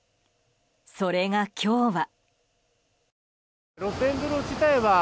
それが今日は。